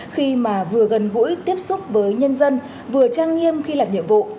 khi mà vừa gần gũi tiếp xúc với nhân dân vừa trang nghiêm khi làm nhiệm vụ